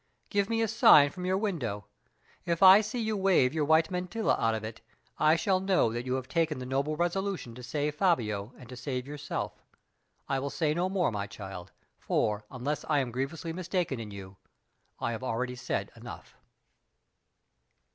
Give me a sign from your window. If I see you wave your white mantilla out of it, I shall know that you have taken the noble resolution to save Fabio and to save yourself. I will say no more, my child; for, unless I am grievously mistaken in you, I have already said enough."